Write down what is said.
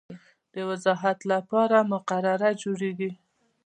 د وضاحت لپاره مقرره جوړیږي.